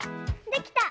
できた！